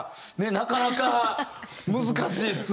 なかなか難しい質問。